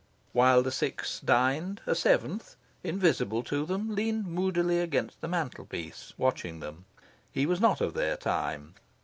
While the six dined, a seventh, invisible to them, leaned moodily against the mantel piece, watching them. He was not of their time.